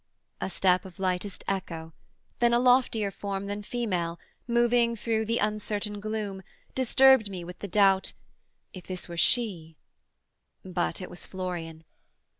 A step Of lightest echo, then a loftier form Than female, moving through the uncertain gloom, Disturbed me with the doubt 'if this were she,' But it was Florian.